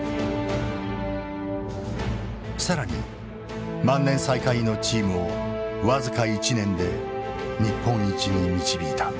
更に万年最下位のチームを僅か１年で日本一に導いた。